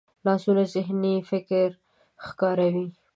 لاسونه ذهني فکر ښکاروي